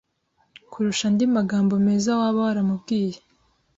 kurusha andi magambo meza waba waramubwiye.